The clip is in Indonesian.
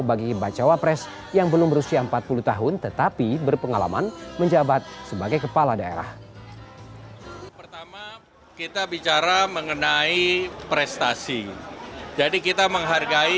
bagi bacawa pres yang belum berusia empat puluh tahun tetapi berpengalaman menjabat sebagai kepala daerah